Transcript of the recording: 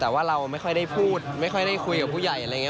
แต่ว่าเราไม่ค่อยได้พูดไม่ค่อยได้คุยกับผู้ใหญ่อะไรอย่างนี้